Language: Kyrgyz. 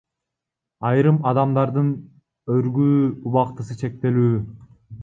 Айрым адамдардын өргүү убактысы чектелүү.